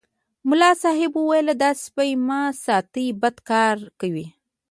ملا صاحب ویل دا سپي مه ساتئ بد کار کوي.